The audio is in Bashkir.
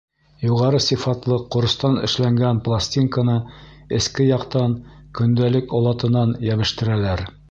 Юғары сифатлы ҡоростан эшләнгән пластинканы эске яҡтан көндәлек олатынан йәбештерәләр.